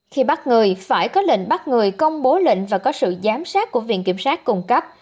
khi bắt người phải có lệnh bắt người công bố lệnh và có sự giám sát của viện kiểm sát cung cấp